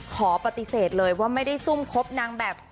ขอปฏิเสธเลยว่าไม่ได้ซุ่มคบนางแบบ